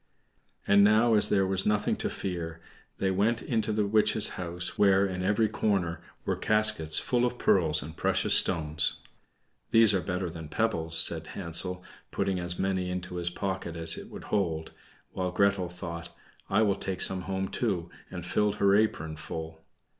And now, as there was nothing to fear, they went into the witch's house, where, in every corner, were caskets full of pearls and precious stones. "These are better than pebbles," said Hansel, putting as many into his pocket as it would hold; while Gretel thought, "I will take some home too," and filled her apron full.